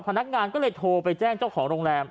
พนักงานก็เลยโทรไปแจ้งเจ้าของโรงแรม